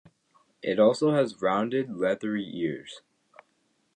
It also has rounded, leathery ears.